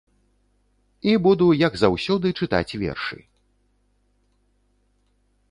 І буду, як заўсёды, чытаць вершы.